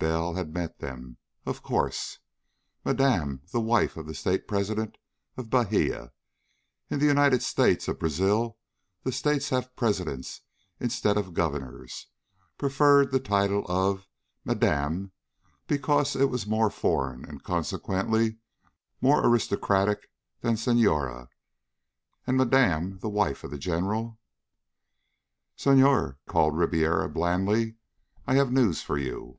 Bell had met them, of course. Madame the wife of the State President of Bahia in the United States of Brazil the states have presidents instead of governors preferred the title of "Madame" because it was more foreign and consequently more aristocratic than Senhora. And Madame the wife of the General "Senhor," called Ribiera blandly, "I have news for you."